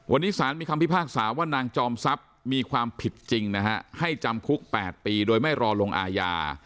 วันนี้สารมีคำพิพากษาว่านางจอมทรัพย์มีความผิดจริงนะฮะให้จำคุก๘ปีโดยไม่รอลงอาญา